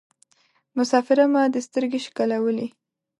مسافره ما دي سترګي شکولولې